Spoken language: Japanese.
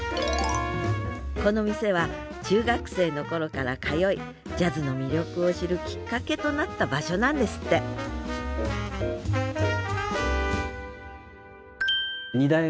この店は中学生の頃から通いジャズの魅力を知るきっかけとなった場所なんですってあら。